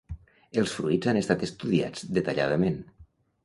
Els fruits han estat estudiats detalladament.